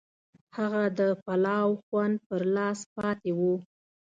هغه د پلاو خوند پر لاس پاتې و.